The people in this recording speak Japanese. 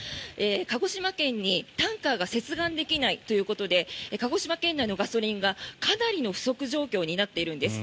鹿児島県にタンカーが接岸できないということで鹿児島県のガソリンがかなりの不足状況になっているんです。